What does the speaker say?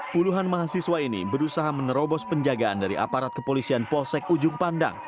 puluhan mahasiswa ini berusaha menerobos penjagaan dari aparat kepolisian polsek ujung pandang